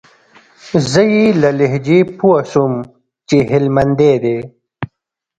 زه يې له لهجې پوه سوم چې هلمندى دى.